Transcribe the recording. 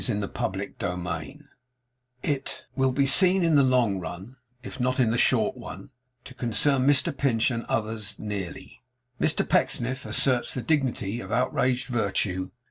CHAPTER TWELVE WILL BE SEEN IN THE LONG RUN, IF NOT IN THE SHORT ONE, TO CONCERN MR PINCH AND OTHERS, NEARLY. MR PECKSNIFF ASSERTS THE DIGNITY OF OUTRAGED VIRTUE.